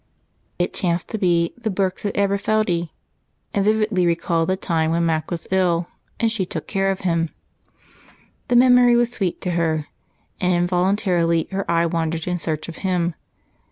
It chanced to be "The Birks of Aberfeldie," and vividly recalled the time when Mac was ill and she took care of him. The memory was sweet to her, and involuntarily her eye wandered in search of him.